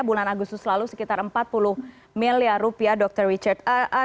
bulan agustus lalu sekitar empat puluh miliar rupiah dr richard